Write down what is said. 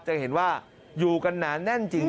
จะเห็นว่าอยู่กันหนาแน่นจริง